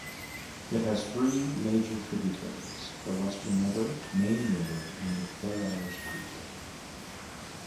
It has three major tributaries the Western River, Mayne River and Farrars Creek.